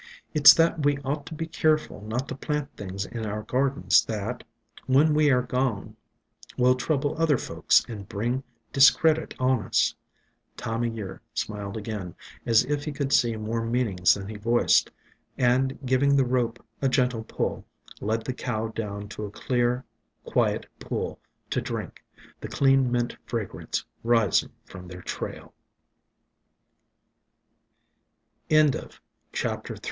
It 's that we ought to be keerful not to plant things in our gardens that, when we air gone, will trouble other folks and bring discredit on us." Time o' Year smiled again, as if he could see more meanings than he voiced, and, giving the rope a gentle pull, led the cow down to a clear, quiet pool to drink, the clean Mint fragrance rising from their